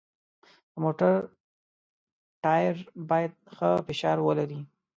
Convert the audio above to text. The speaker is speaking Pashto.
د موټر ټایر باید ښه فشار ولري.